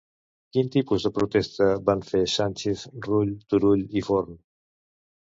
Quin tipus de protesta van fer Sànchez, Rull, Turull i Forn?